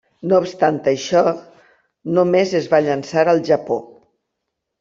No obstant això, només es va llançar al Japó.